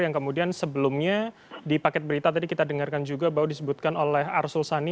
yang kemudian sebelumnya di paket berita tadi kita dengarkan juga bahwa disebutkan oleh arsul sani